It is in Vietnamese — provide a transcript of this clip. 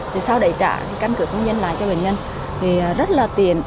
thì sau đấy trả căn cứ công dân lại cho bệnh nhân thì rất là tiện